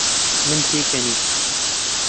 من پێکەنیم.